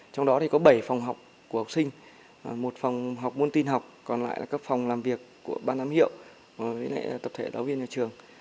trong đó có bảy phòng học của học sinh một phòng học môn tin học còn lại là các phòng làm việc của ban giám hiệu tập thể giáo viên nhà trường